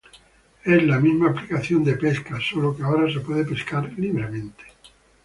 Es la misma aplicación de Pesca solo que ahora se puede pescar libremente.